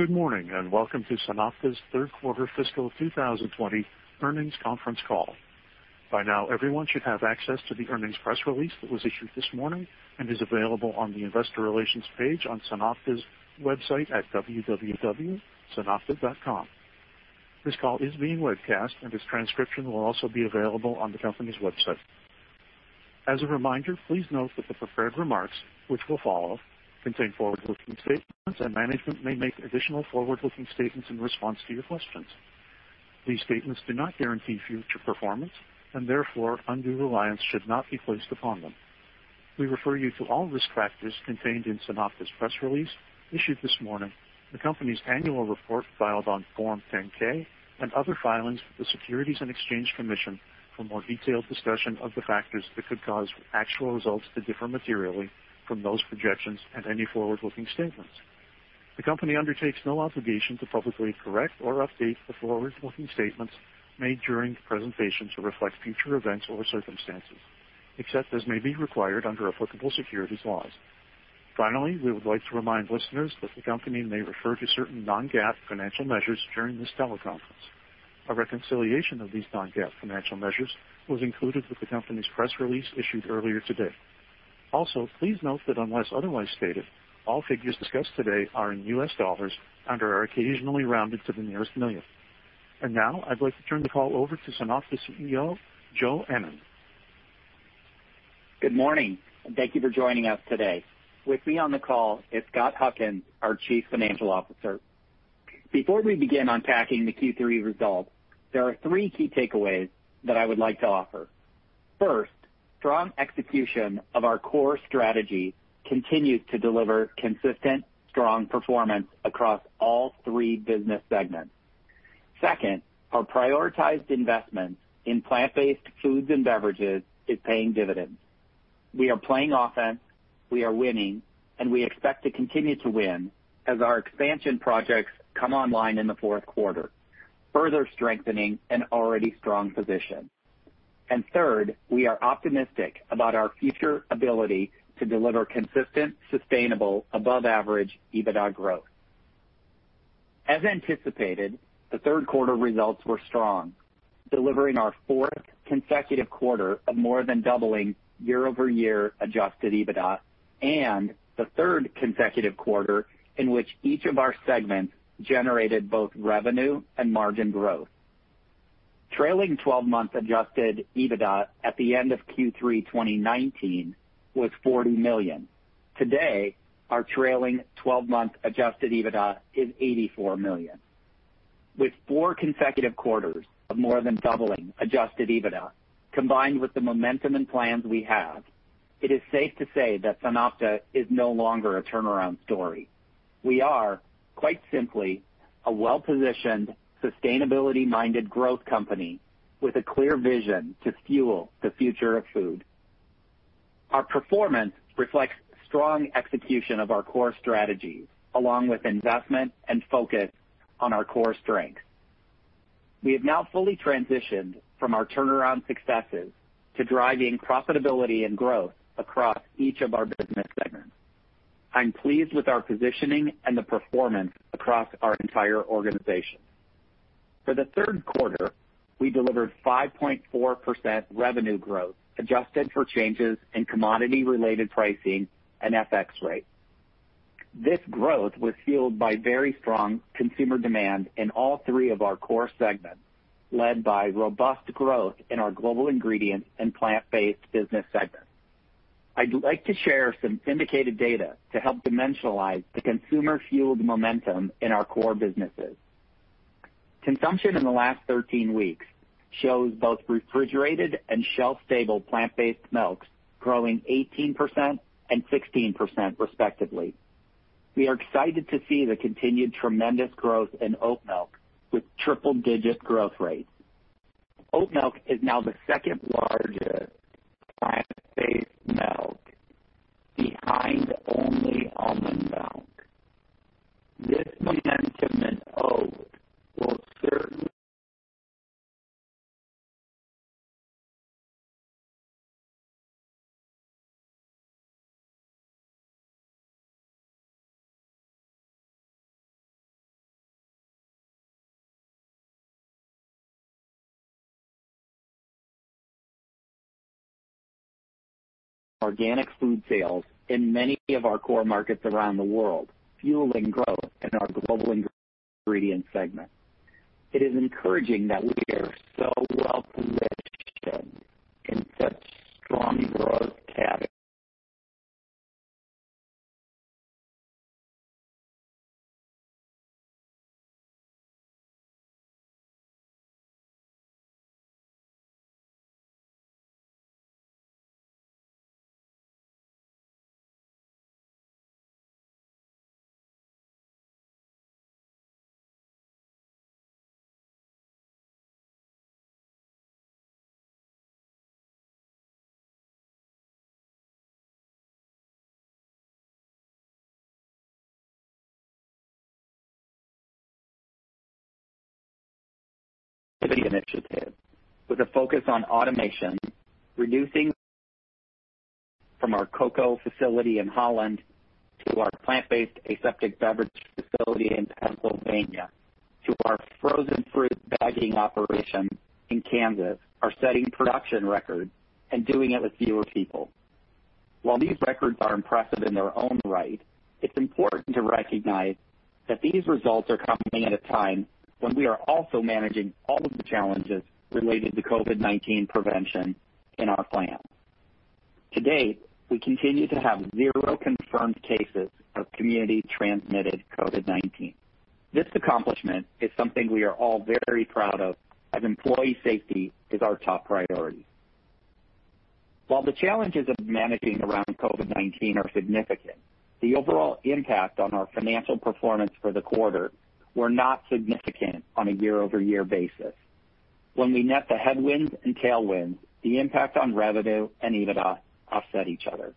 Good morning, welcome to SunOpta's Third Quarter Fiscal 2020 Earnings Conference Call. By now, everyone should have access to the earnings press release that was issued this morning and is available on the investor relations page on SunOpta's website at www.sunopta.com. This call is being webcast, and this transcription will also be available on the company's website. As a reminder, please note that the prepared remarks, which will follow, contain forward-looking statements, and management may make additional forward-looking statements in response to your questions. These statements do not guarantee future performance, and therefore undue reliance should not be placed upon them. We refer you to all risk factors contained in SunOpta's press release issued this morning, the company's annual report filed on Form 10-K, and other filings with the Securities and Exchange Commission for more detailed discussion of the factors that could cause actual results to differ materially from those projections and any forward-looking statements. The company undertakes no obligation to publicly correct or update the forward-looking statements made during the presentation to reflect future events or circumstances, except as may be required under applicable securities laws. Finally, we would like to remind listeners that the company may refer to certain non-GAAP financial measures during this teleconference. A reconciliation of these non-GAAP financial measures was included with the company's press release issued earlier today. Also, please note that unless otherwise stated, all figures discussed today are in U.S. dollars and are occasionally rounded to the nearest million. Now I'd like to turn the call over to SunOpta CEO, Joe Ennen. Good morning, and thank you for joining us today. With me on the call is Scott Huckins, our Chief Financial Officer. Before we begin unpacking the Q3 results, there are three key takeaways that I would like to offer. First, strong execution of our core strategy continues to deliver consistent, strong performance across all three business segments. Second, our prioritized investment in plant-based foods and beverages is paying dividends. We are playing offense, we are winning, and we expect to continue to win as our expansion projects come online in the fourth quarter, further strengthening an already strong position. Third, we are optimistic about our future ability to deliver consistent, sustainable, above-average EBITDA growth. As anticipated, the third quarter results were strong, delivering our fourth consecutive quarter of more than doubling year-over-year adjusted EBITDA and the third consecutive quarter in which each of our segments generated both revenue and margin growth. Trailing 12-month adjusted EBITDA at the end of Q3 2019 was $40 million. Today, our trailing 12-month adjusted EBITDA is $84 million. With four consecutive quarters of more than doubling adjusted EBITDA, combined with the momentum and plans we have, it is safe to say that SunOpta is no longer a turnaround story. We are, quite simply, a well-positioned, sustainability-minded growth company with a clear vision to fuel the future of food. Our performance reflects strong execution of our core strategies along with investment and focus on our core strengths. We have now fully transitioned from our turnaround successes to driving profitability and growth across each of our business segments. I'm pleased with our positioning and the performance across our entire organization. For the third quarter, we delivered 5.4% revenue growth, adjusted for changes in commodity-related pricing and FX rates. This growth was fueled by very strong consumer demand in all three of our core segments, led by robust growth in our global ingredient and plant-based business segments. I'd like to share some syndicated data to help dimensionalize the consumer-fueled momentum in our core businesses. Consumption in the last 13 weeks shows both refrigerated and shelf-stable plant-based milks growing 18% and 16%, respectively. We are excited to see the continued tremendous growth in oat milk with triple-digit growth rates. Oat milk is now the second-largest plant-based milk, [inaudible] Organic food sales in many of our core markets around the world, fueling growth in our global ingredient segment. It is encouraging that [inaudible] focus on automation, reducing from our cocoa facility in Holland to our plant-based aseptic beverage facility in Pennsylvania to our frozen fruit bagging operation in Kansas are setting production records and doing it with fewer people. While these records are impressive in their own right, it's important to recognize that these results are coming at a time when we are also managing all of the challenges related to COVID-19 prevention in our plants. To date, we continue to have zero confirmed cases of community-transmitted COVID-19. This accomplishment is something we are all very proud of, as employee safety is our top priority. While the challenges of managing around COVID-19 are significant, the overall impact on our financial performance for the quarter were not significant on a year-over-year basis. When we net the headwinds and tailwinds, the impact on revenue and EBITDA offset each other.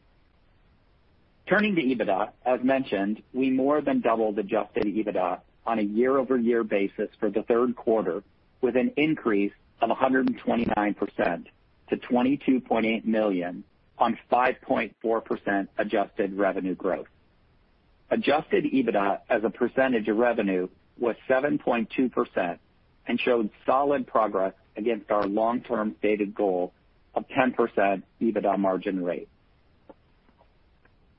Turning to EBITDA, as mentioned, we more than doubled adjusted EBITDA on a year-over-year basis for the third quarter, with an increase of 129% to $22.8 million on 5.4% adjusted revenue growth. Adjusted EBITDA as a percentage of revenue was 7.2% and showed solid progress against our long-term stated goal of 10% EBITDA margin rate.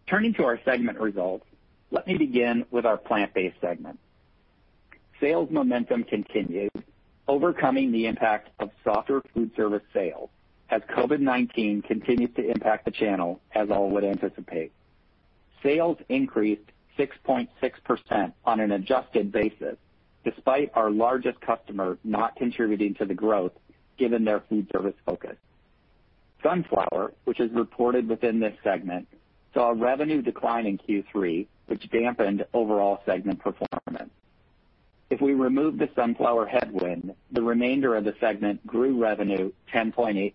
Turning to our segment results, let me begin with our plant-based segment. Sales momentum continued, overcoming the impact of softer food service sales as COVID-19 continues to impact the channel, as all would anticipate. Sales increased 6.6% on an adjusted basis, despite our largest customer not contributing to the growth given their food service focus. Sunflower, which is reported within this segment, saw a revenue decline in Q3, which dampened overall segment performance. If we remove the Sunflower headwind, the remainder of the segment grew revenue 10.8%.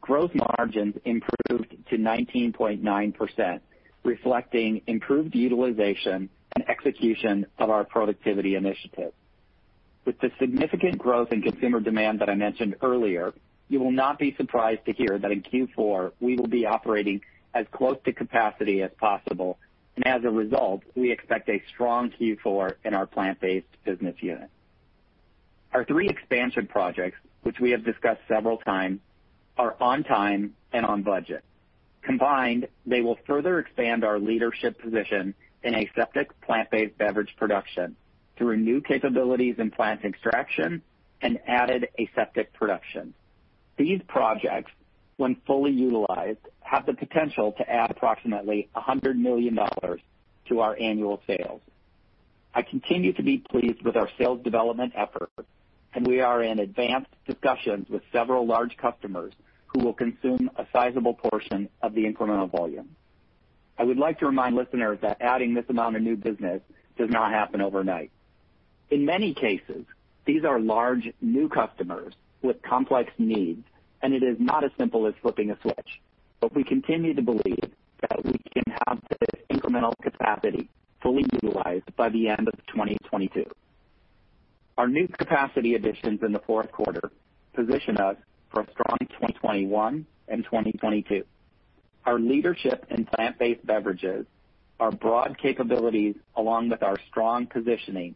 Gross margins improved to 19.9%, reflecting improved utilization and execution of our productivity initiative. With the significant growth in consumer demand that I mentioned earlier, you will not be surprised to hear that in Q4, we will be operating as close to capacity as possible, and as a result, we expect a strong Q4 in our plant-based business unit. Our three expansion projects, which we have discussed several times, are on time and on budget. Combined, they will further expand our leadership position in aseptic plant-based beverage production through new capabilities in plant extraction and added aseptic production. These projects, when fully utilized, have the potential to add approximately $100 million to our annual sales. I continue to be pleased with our sales development efforts, and we are in advanced discussions with several large customers who will consume a sizable portion of the incremental volume. I would like to remind listeners that adding this amount of new business does not happen overnight. In many cases, these are large, new customers with complex needs, and it is not as simple as flipping a switch. We continue to believe that we can have this incremental capacity fully utilized by the end of 2022. Our new capacity additions in the fourth quarter position us for a strong 2021 and 2022. Our leadership in plant-based beverages, our broad capabilities, along with our strong positioning,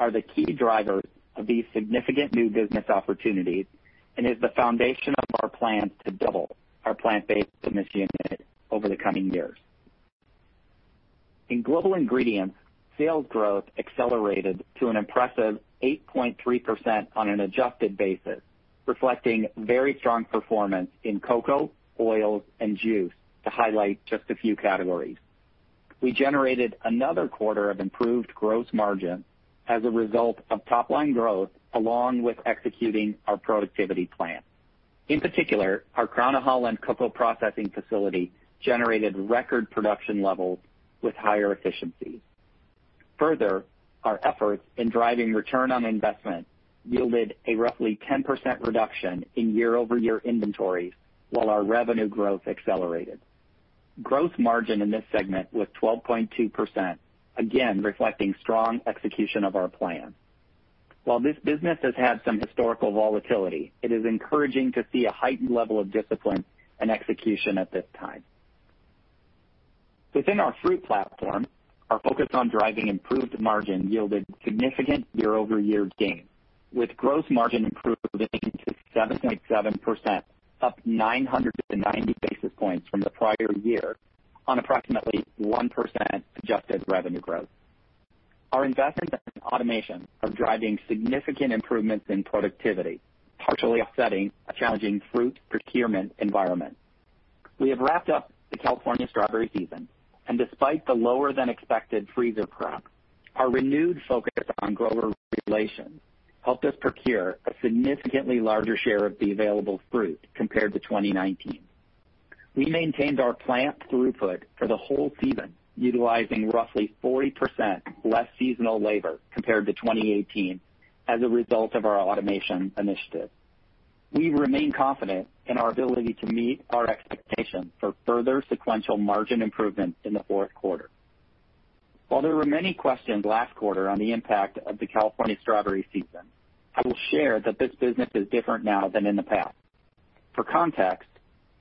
are the key drivers of these significant new business opportunities and is the foundation of our plan to double our plant-based business unit over the coming years. In Global Ingredients, sales growth accelerated to an impressive 8.3% on an adjusted basis, reflecting very strong performance in cocoa, oils, and juice, to highlight just a few categories. We generated another quarter of improved gross margin as a result of top-line growth, along with executing our productivity plan. In particular, our Crown of Holland cocoa processing facility generated record production levels with higher efficiency. Further, our efforts in driving return on investment yielded a roughly 10% reduction in year-over-year inventory while our revenue growth accelerated. Gross margin in this segment was 12.2%, again reflecting strong execution of our plan. While this business has had some historical volatility, it is encouraging to see a heightened level of discipline and execution at this time. Within our fruit platform, our focus on driving improved margin yielded significant year-over-year gains, with gross margin improving to 7.7%, up 990 basis points from the prior year on approximately 1% adjusted revenue growth. Our investments in automation are driving significant improvements in productivity, partially offsetting a challenging fruit procurement environment. We have wrapped up the California strawberry season, and despite the lower-than-expected freezer crop, our renewed focus on grower relations helped us procure a significantly larger share of the available fruit compared to 2019. We maintained our plant throughput for the whole season, utilizing roughly 40% less seasonal labor compared to 2018 as a result of our automation initiative. We remain confident in our ability to meet our expectations for further sequential margin improvement in the fourth quarter. While there were many questions last quarter on the impact of the California strawberry season, I will share that this business is different now than in the past. For context,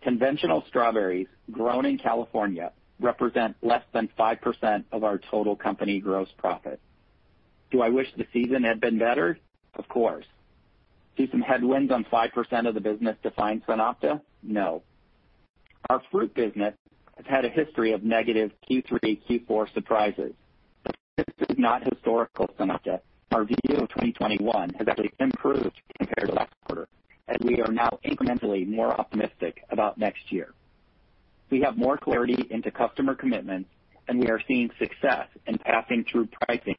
conventional strawberries grown in California represent less than 5% of our total company gross profit. Do I wish the season had been better? Of course. See some headwinds on 5% of the business define SunOpta? No. Our fruit business has had a history of negative Q3, Q4 surprises. This is not historical SunOpta. Our view of 2021 has actually improved compared to last quarter, and we are now incrementally more optimistic about next year. We have more clarity into customer commitments, and we are seeing success in passing through pricing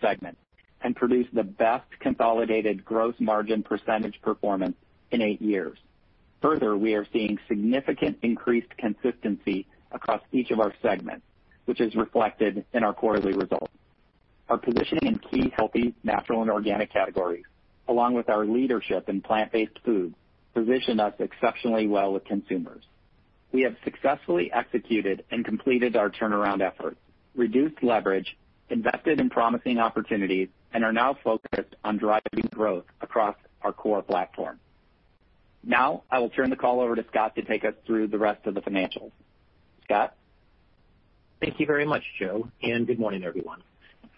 segments, and produce the best consolidated gross margin percentage performance in eight years. Further, we are seeing significant increased consistency across each of our segments, which is reflected in our quarterly results. Our position in key healthy, natural, and organic categories, along with our leadership in plant-based food, position us exceptionally well with consumers. We have successfully executed and completed our turnaround efforts, reduced leverage, invested in promising opportunities, and are now focused on driving growth across our core platform. Now, I will turn the call over to Scott to take us through the rest of the financials. Scott? Thank you very much, Joe, and good morning, everyone.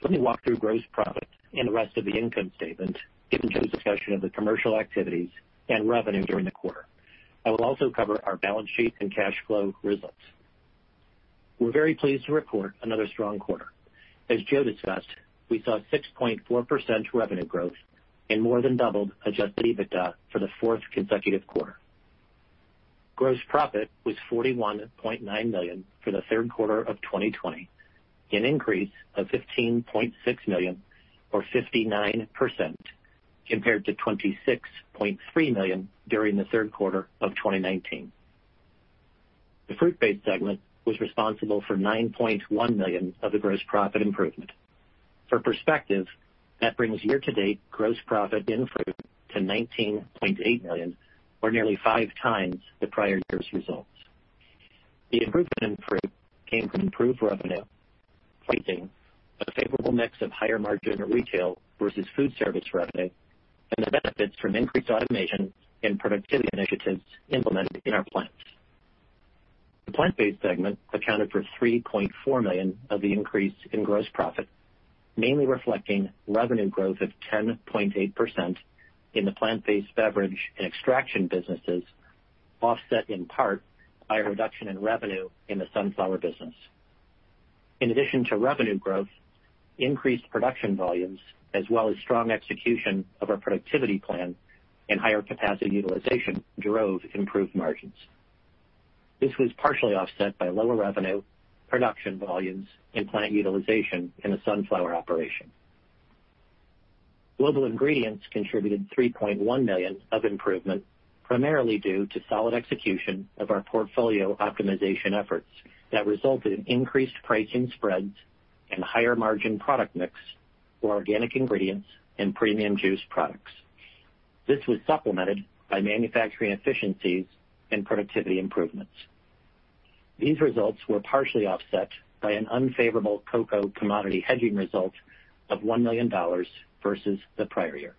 Let me walk through gross profit and the rest of the income statement, given Joe's discussion of the commercial activities and revenue during the quarter. I will also cover our balance sheet and cash flow results. We're very pleased to report another strong quarter. As Joe discussed, we saw 6.4% revenue growth and more than doubled adjusted EBITDA for the fourth consecutive quarter. Gross profit was $41.9 million for the third quarter of 2020, an increase of $15.6 million or 59%, compared to $26.3 million during the third quarter of 2019. The fruit-based segment was responsible for $9.1 million of the gross profit improvement. For perspective, that brings year-to-date gross profit in fruit to $19.8 million, or nearly 5x the prior year's results. The improvement in fruit came from improved revenue pricing, a favorable mix of higher margin retail versus food service revenue, and the benefits from increased automation and productivity initiatives implemented in our plants. The plant-based segment accounted for $3.4 million of the increase in gross profit, mainly reflecting revenue growth of 10.8% in the plant-based beverage and extraction businesses, offset in part by a reduction in revenue in the Sunflower business. In addition to revenue growth, increased production volumes, as well as strong execution of our productivity plan and higher capacity utilization drove improved margins. This was partially offset by lower revenue, production volumes, and plant utilization in the Sunflower operation. Global Ingredients contributed $3.1 million of improvement, primarily due to solid execution of our portfolio optimization efforts that resulted in increased pricing spreads and higher margin product mix for organic ingredients and premium juice products. This was supplemented by manufacturing efficiencies and productivity improvements. These results were partially offset by an unfavorable cocoa commodity hedging result of $1 million versus the prior year,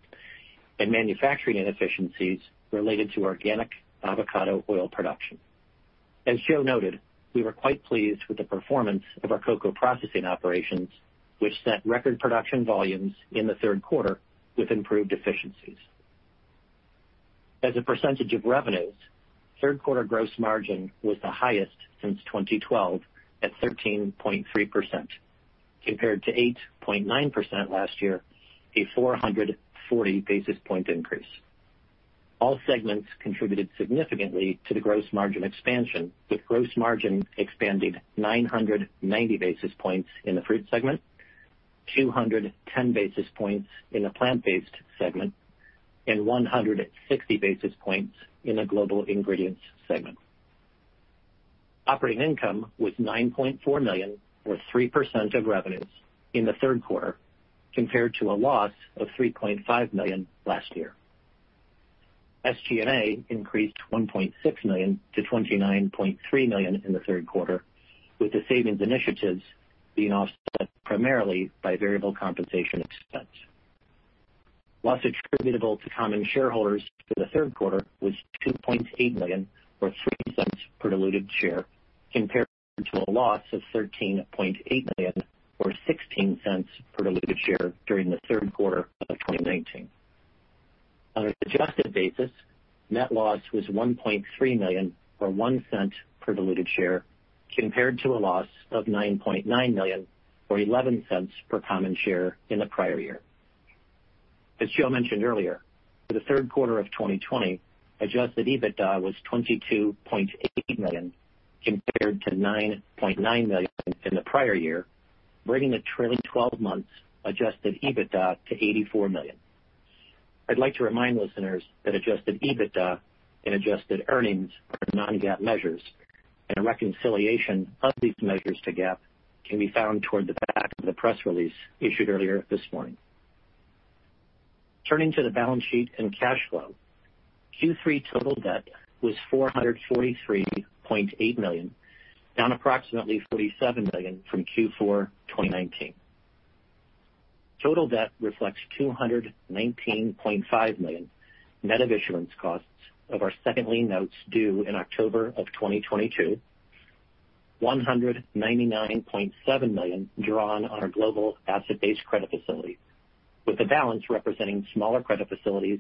and manufacturing inefficiencies related to organic avocado oil production. As Joe noted, we were quite pleased with the performance of our cocoa processing operations, which set record production volumes in the third quarter with improved efficiencies. As a percentage of revenues, third quarter gross margin was the highest since 2012 at 13.3%, compared to 8.9% last year, a 440 basis point increase. All segments contributed significantly to the gross margin expansion, with gross margin expanding 990 basis points in the Fruit segment, 210 basis points in the Plant-Based segment, and 160 basis points in the Global Ingredients segment. Operating income was $9.4 million or 3% of revenues in the third quarter compared to a loss of $3.5 million last year. SG&A increased $1.6 million-$29.3 million in the third quarter, with the savings initiatives being offset primarily by variable compensation expense. Loss attributable to common shareholders for the third quarter was $2.8 million or $0.03 per diluted share compared to a loss of $13.8 million or $0.16 per diluted share during the third quarter of 2019. On an adjusted basis, net loss was $1.3 million or $0.01 per diluted share compared to a loss of $9.9 million or $0.11 per common share in the prior year. As Joe mentioned earlier, for the third quarter of 2020, adjusted EBITDA was $22.8 million compared to $9.9 million in the prior year, bringing the trailing 12 months adjusted EBITDA to $84 million. I'd like to remind listeners that adjusted EBITDA and adjusted earnings are non-GAAP measures, and a reconciliation of these measures to GAAP can be found toward the back of the press release issued earlier this morning. Turning to the balance sheet and cash flow. Q3 total debt was $443.8 million, down approximately $47 million from Q4 2019. Total debt reflects $219.5 million net of issuance costs of our Second Lien Notes due in October of 2022, $199.7 million drawn on our global asset-based credit facility, with the balance representing smaller credit facilities,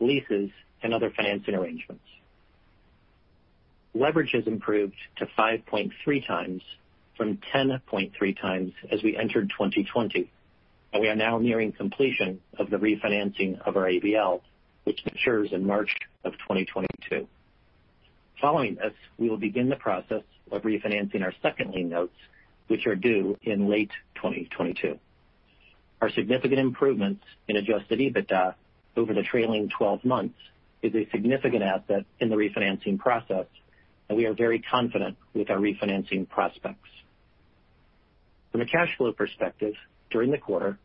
leases, and other financing arrangements. Leverage has improved to 5.3x from 10.3x as we entered 2020, and we are now nearing completion of the refinancing of our ABL, which matures in March of 2022. Following this, we will begin the process of refinancing our Second Lien Notes, which are due in late 2022. Our significant improvements in adjusted EBITDA over the trailing 12 months is a significant asset in the refinancing process, and we are very confident with our refinancing prospects. From a cash flow perspective, during the quarter,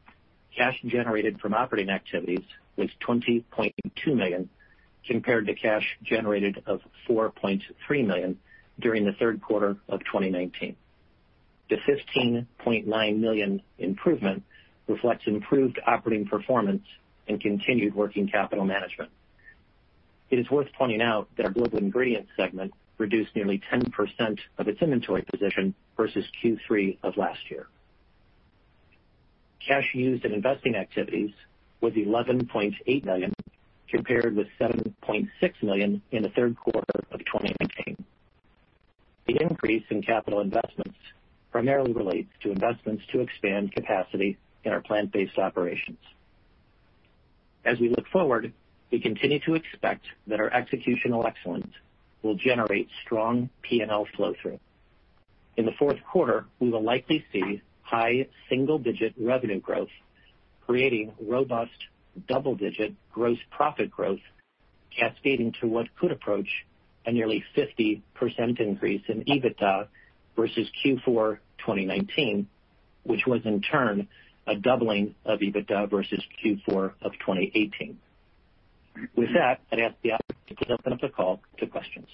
cash generated from operating activities was $20.2 million, compared to cash generated of $4.3 million during the third quarter of 2019. The $15.9 million improvement reflects improved operating performance and continued working capital management. It is worth pointing out that our global ingredients segment reduced nearly 10% of its inventory position versus Q3 of last year. Cash used in investing activities was $11.8 million, compared with $7.6 million in the third quarter of 2019. The increase in capital investments primarily relates to investments to expand capacity in our plant-based operations. As we look forward, we continue to expect that our executional excellence will generate strong P&L flow-through. In the fourth quarter, we will likely see high single-digit revenue growth, creating robust double-digit gross profit growth, cascading to what could approach a nearly 50% increase in EBITDA versus Q4 2019, which was in turn a doubling of EBITDA versus Q4 of 2018. With that, I'd ask the operator to open up the call to questions.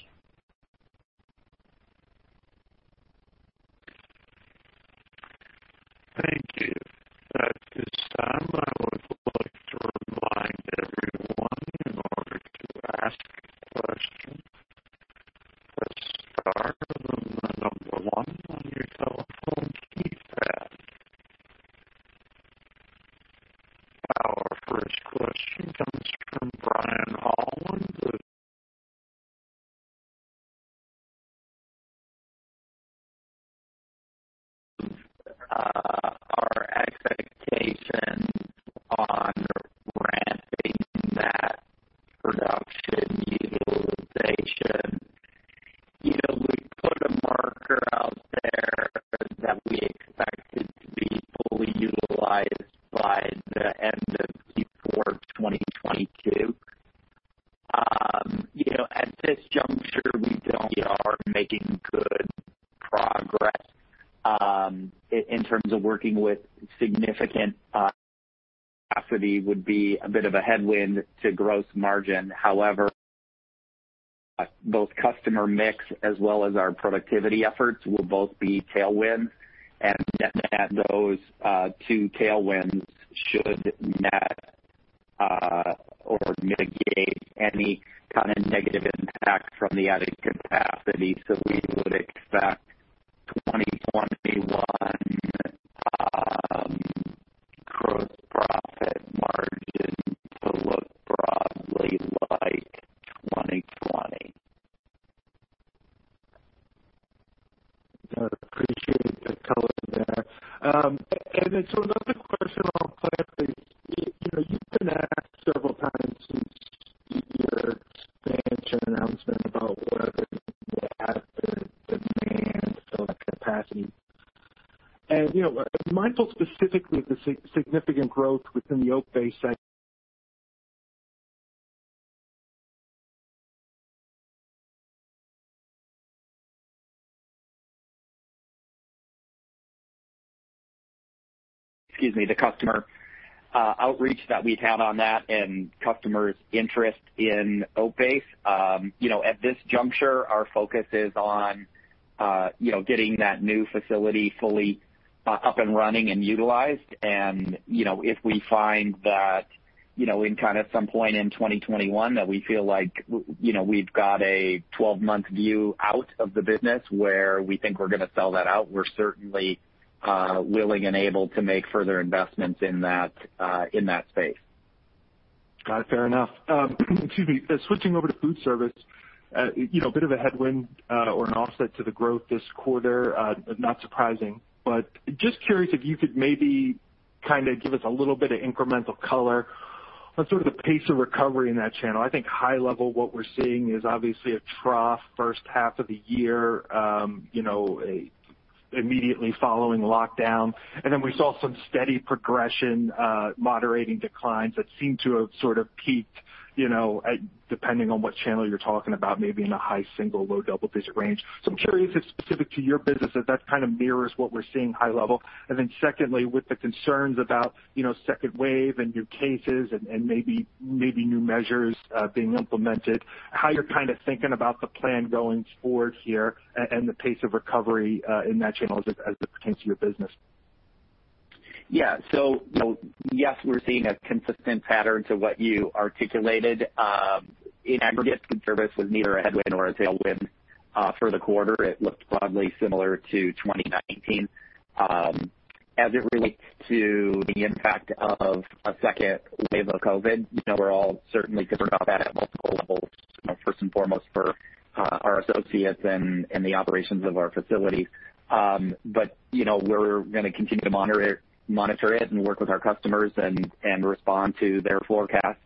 [inaudible] [inaudible] In terms of working with significant capacity would be a bit of a headwind to gross margin. Both customer mix as well as our productivity efforts will both be tailwinds, and net those two tailwinds should net or mitigate any kind of negative impact from the added capacity. [inaudible] [inaudible] Mindful specifically of the significant growth within the oat-based [inaudible] Excuse me, the customer outreach that we've had on that and customers' interest in oat base. At this juncture, our focus is on getting that new facility fully up and running and utilized. If we find that in kind of some point in 2021 that we feel like we've got a 12-month view out of the business where we think we're going to sell that out, we're certainly willing and able to make further investments in that space. Got it. Fair enough. Excuse me. Switching over to food service. A bit of a headwind or an offset to the growth this quarter. Not surprising. Just curious if you could maybe give us a little bit of incremental color on sort of the pace of recovery in that channel. I think high level, what we're seeing is obviously a trough first half of the year. Immediately following lockdown. We saw some steady progression, moderating declines that seem to have sort of peaked, depending on what channel you're talking about, maybe in a high single, low double-digit range. I'm curious if specific to your business, if that kind of mirrors what we're seeing high level. Secondly, with the concerns about second wave and new cases and maybe new measures being implemented, how you're kind of thinking about the plan going forward here and the pace of recovery in that channel as it pertains to your business. Yeah. Yes, we're seeing a consistent pattern to what you articulated. In aggregate, food service was neither a headwind or a tailwind for the quarter. It looked broadly similar to 2019. As it relates to the impact of a second wave of COVID-19, we're all certainly concerned about that at multiple levels, first and foremost for our associates and the operations of our facilities. We're going to continue to monitor it and work with our customers and respond to their forecasts.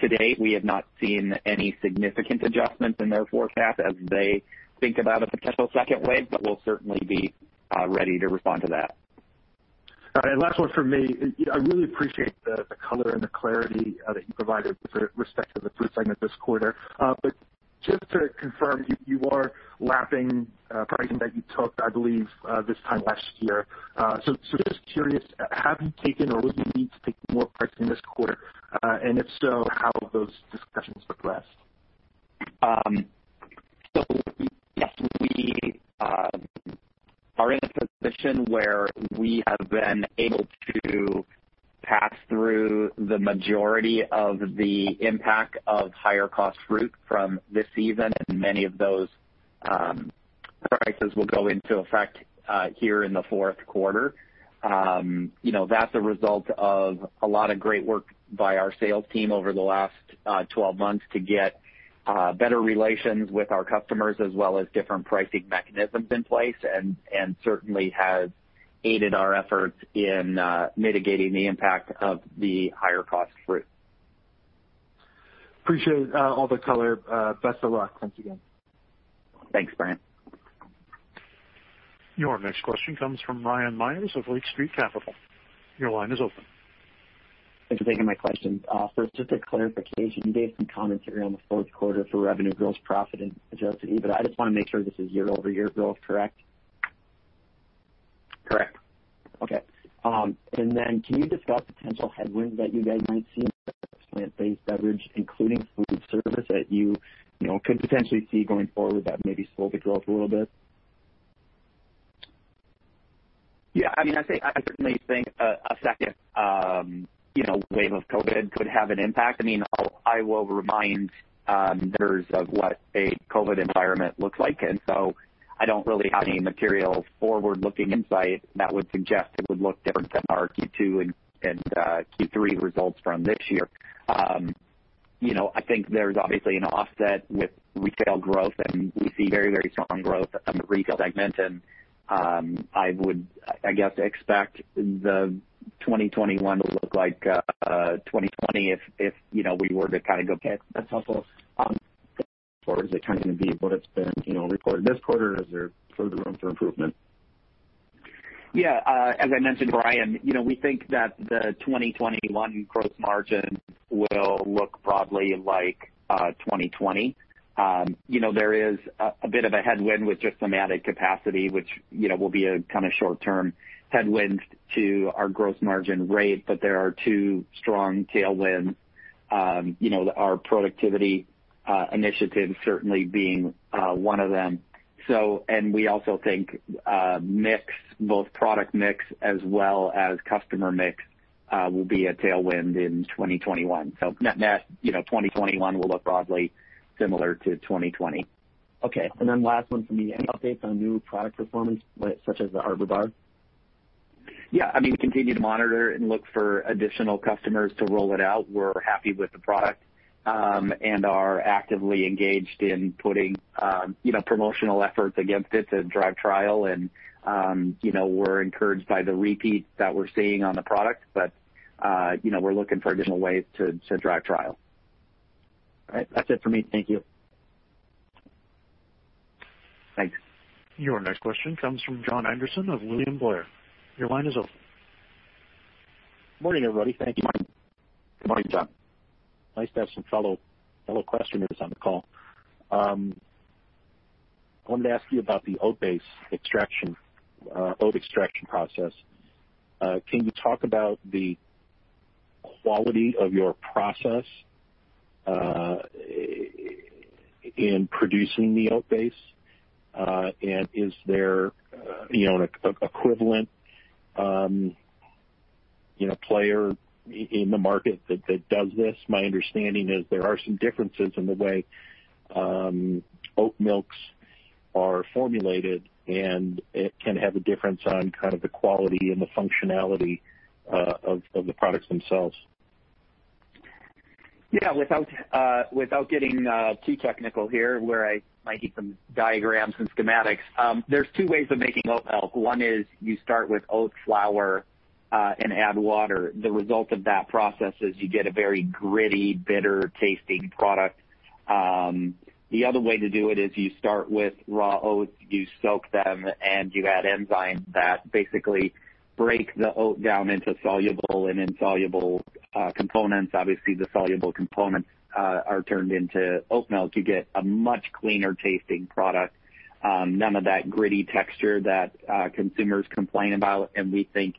To date, we have not seen any significant adjustments in their forecast as they think about a potential second wave, but we'll certainly be ready to respond to that. All right. Last one from me. I really appreciate the color and the clarity that you provided with respect to the fruit segment this quarter. Just to confirm, you are lapping pricing that you took, I believe, this time last year. Just curious, have you taken or will you need to take more pricing this quarter? If so, how have those discussions progressed? [inaudible] position where we have been able to pass through the majority of the impact of higher cost fruit from this season, and many of those prices will go into effect here in the fourth quarter. That's a result of a lot of great work by our sales team over the last 12 months to get better relations with our customers as well as different pricing mechanisms in place, and certainly has aided our efforts in mitigating the impact of the higher cost fruit. Appreciate all the color. Best of luck. Thanks again. Thanks, Brian. Your next question comes from Ryan Meyers of Lake Street Capital. Your line is open. Thanks for taking my question. First, just a clarification. You gave some commentary on the fourth quarter for revenue growth, profit and agility, but I just want to make sure this is year-over-year growth, correct? Correct. Okay. Can you discuss potential headwinds that you guys might see in the plant-based beverage, including food service that you could potentially see going forward that maybe slow the growth a little bit? Yeah, I certainly think a second wave of COVID could have an impact. I will remind members of what a COVID environment looks like, and so I don't really have any material forward-looking insight that would suggest it would look different than our Q2 and Q3 results from this year. I would expect the 2021 to look like 2020. Okay. That's helpful. Is it going to be what it's been reported this quarter, or is there further room for improvement? Yeah. As I mentioned, Ryan, we think that the 2021 gross margin will look broadly like 2020. There is a bit of a headwind with just thematic capacity, which will be a kind of short term headwinds to our gross margin rate. There are two strong tailwinds, our productivity initiatives certainly being one of them. We also think mix, both product mix as well as customer mix, will be a tailwind in 2021. Net, 2021 will look broadly similar to 2020. Okay. Last one for me. Any updates on new product performance, such as the Arbor bar? Yeah. We continue to monitor and look for additional customers to roll it out. We're happy with the product, and are actively engaged in putting promotional efforts against it to drive trial. We're encouraged by the repeat that we're seeing on the product, but we're looking for additional ways to drive trial. All right. That's it for me. Thank you. Thanks. Your next question comes from Jon Andersen of William Blair. Your line is open. Morning, everybody. Thank you. Good morning, Jon. Nice to have some fellow questioners on the call. I wanted to ask you about the oat-based extraction, oat extraction process. Can you talk about the quality of your process in producing the oat base? Is there an equivalent player in the market that does this? My understanding is there are some differences in the way oat milks are formulated, and it can have a difference on kind of the quality and the functionality of the products themselves. Yeah. Without getting too technical here, where I might need some diagrams and schematics, there's two ways of making oat milk. One is you start with oat flour and add water. The result of that process is you get a very gritty, bitter-tasting product. The other way to do it is you start with raw oats, you soak them, and you add enzymes that basically break the oat down into soluble and insoluble components. Obviously, the soluble components are turned into oat milk. You get a much cleaner tasting product. None of that gritty texture that consumers complain about. We think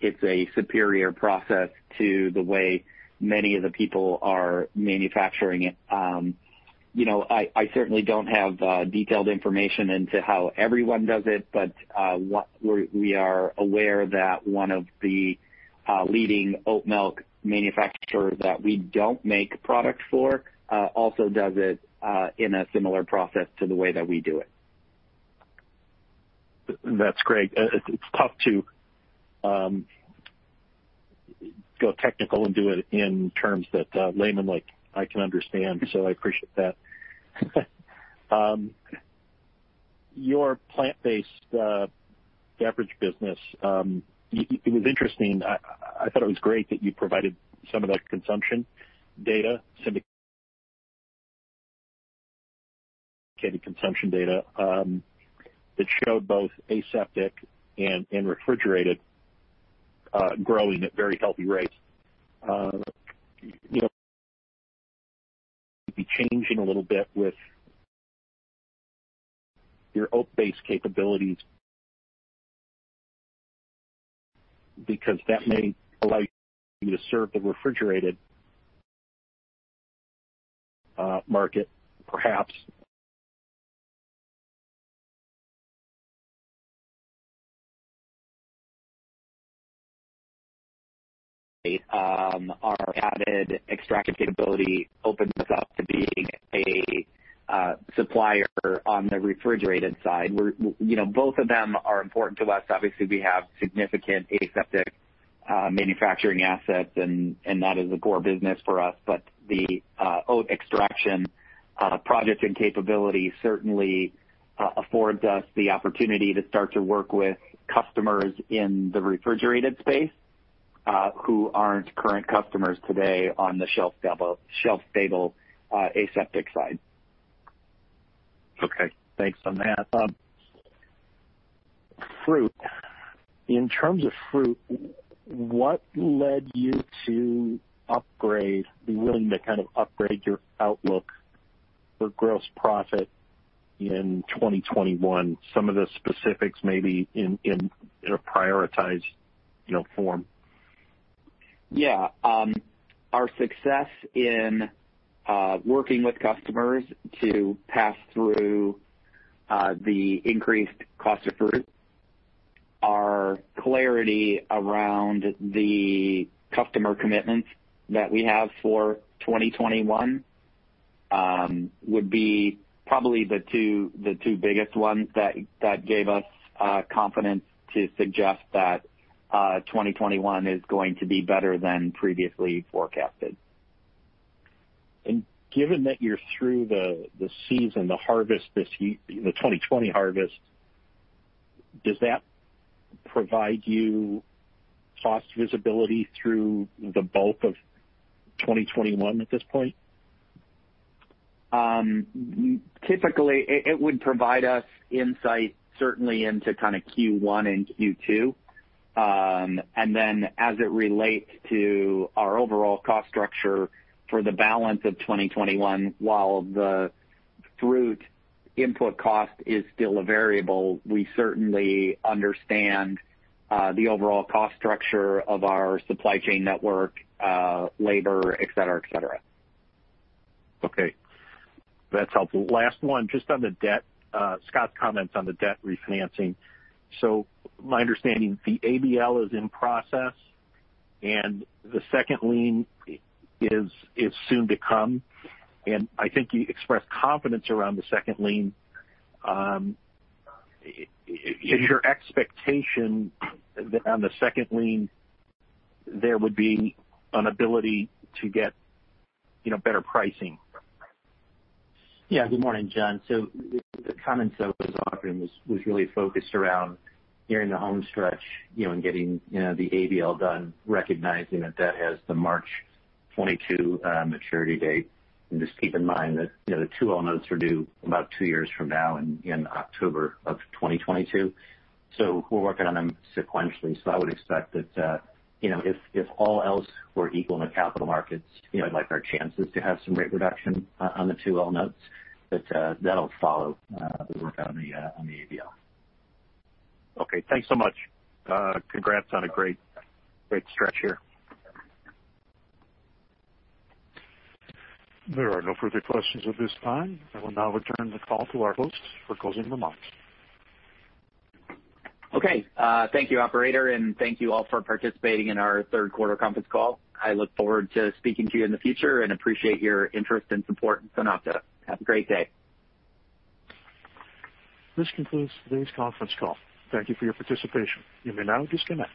it's a superior process to the way many of the people are manufacturing it. I certainly don't have detailed information into how everyone does it, but we are aware that one of the leading oat milk manufacturers that we don't make product for also does it in a similar process to the way that we do it. That's great. It's tough to go technical and do it in terms that layman like I can understand. I appreciate that. Your plant-based beverage business, it was interesting. I thought it was great that you provided some of that consumption data, syndicated consumption data, that showed both aseptic and refrigerated growing at very healthy rates. Be changing a little bit with your oat-based capabilities because that may allow you to serve the refrigerated market, perhaps. Our added extractive capability opens us up to being a supplier on the refrigerated side. Both of them are important to us. Obviously, we have significant aseptic manufacturing assets, and that is a core business for us. The oat extraction project and capability certainly affords us the opportunity to start to work with customers in the refrigerated space who aren't current customers today on the shelf-stable aseptic side. Okay, thanks on that. Fruit. In terms of fruit, what led you to be willing to kind of upgrade your outlook for gross profit in 2021? Some of the specifics maybe in a prioritized form. Yeah. Our success in working with customers to pass through the increased cost of fruit, our clarity around the customer commitments that we have for 2021 would be probably the two biggest ones that gave us confidence to suggest that 2021 is going to be better than previously forecasted. Given that you're through the season, the 2020 harvest, does that provide you cost visibility through the bulk of 2021 at this point? Typically, it would provide us insight certainly into kind of Q1 and Q2. Then as it relates to our overall cost structure for the balance of 2021, while the fruit input cost is still a variable, we certainly understand the overall cost structure of our supply chain network, labor, et cetera. Okay. That's helpful. Last one, just on the debt. Scott's comments on the debt refinancing. My understanding, the ABL is in process and the second lien is soon to come. I think you expressed confidence around the second lien. Is your expectation that on the second lien there would be an ability to get better pricing? Yeah. Good morning, Jon. The comments that was offered was really focused around nearing the home stretch and getting the ABL done, recognizing that that has the March 22 maturity date. Just keep in mind that the 2L notes are due about two years from now in October of 2022. We're working on them sequentially. I would expect that if all else were equal in the capital markets, I like our chances to have some rate reduction on the 2L notes. That'll follow the work on the ABL. Okay. Thanks so much. Congrats on a great stretch here. There are no further questions at this time. I will now return the call to our hosts for closing remarks. Thank you, operator, and thank you all for participating in our third quarter conference call. I look forward to speaking to you in the future and appreciate your interest and support in SunOpta. Have a great day. This concludes today's conference call. Thank you for your participation. You may now disconnect.